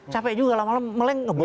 capek juga malem malem meleng ngebom lagi